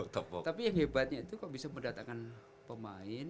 tapi yang hebatnya itu kok bisa mendatangkan pemain